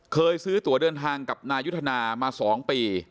เคยซื้อตัวเดินทางกับนายุทธนามา๒ปี